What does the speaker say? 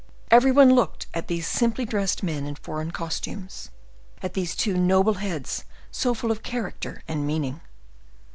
Every one looked at these simply dressed men in foreign costumes, at these two noble heads so full of character and meaning.